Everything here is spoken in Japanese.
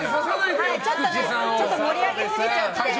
ちょっと盛り上げすぎてたので。